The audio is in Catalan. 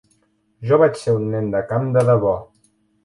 Jo vaig ser un nen de camp de debò.